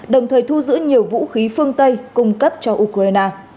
đồng thời thu giữ nhiều vũ khí phương tây cung cấp cho ukraine